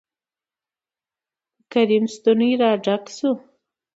کريم ستونى را ډک شو.